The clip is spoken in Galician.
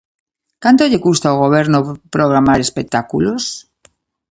Canto lle custa ao goberno programar espectáculos?